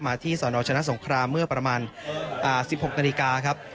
ที่สนชนะสงครามเมื่อประมาณ๑๖นาฬิกาครับ